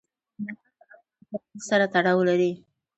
کندهار د افغان کلتور سره تړاو لري.